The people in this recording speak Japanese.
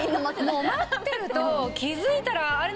もう待ってると気づいたらあれ？